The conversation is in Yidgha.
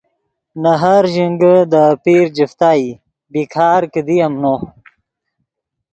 نے ہر ژینگے دے اپیر جفتا ای بیکار کیدی ام نو